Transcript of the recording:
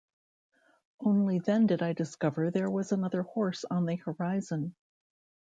Only then did I discover there was another horse on the horizon.